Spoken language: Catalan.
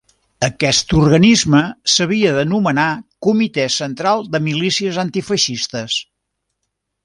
Aquest organisme s'havia d'anomenar Comitè Central de Milícies Antifeixistes.